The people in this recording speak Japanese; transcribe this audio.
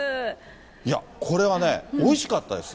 いや、これはね、おいしかったです。